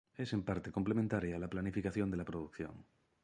Es en parte complementaria a la planificación de la producción.